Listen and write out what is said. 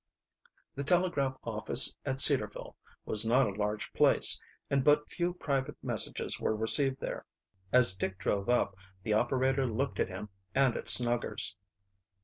The telegraph office at Cedarville was not a large place, and but few private messages were received there. As Dick drove up the operator looked at him and at Snuggers.